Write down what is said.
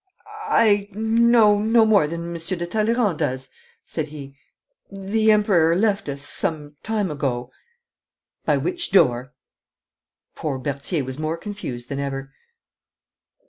'I know no more than Monsieur de Talleyrand does,' said he; 'the Emperor left us some time ago.' 'By which door?' Poor Berthier was more confused than ever.